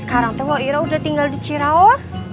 sekarang tuh wak ira udah tinggal di ciraos